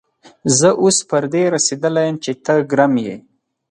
زه اوس پر دې رسېدلی يم چې ته ګرم يې.